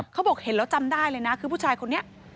เขาบอกเห็นแล้วจำได้เลยนะคือผู้ชายคนนี้